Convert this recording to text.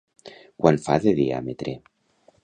Quant fa de diàmetre?